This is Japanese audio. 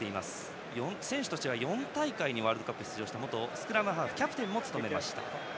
選手時代はワールドカップ４大会に出場した元スクラムハーフキャプテンも務めました。